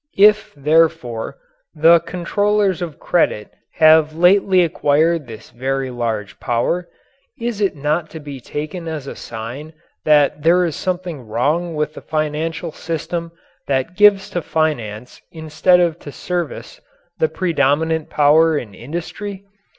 If, therefore, the controllers of credit have lately acquired this very large power, is it not to be taken as a sign that there is something wrong with the financial system that gives to finance instead of to service the predominant power in industry?